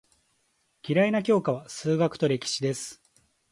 嫌いな教科は数学と歴史です。